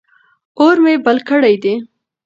اور مې بل کړی دی.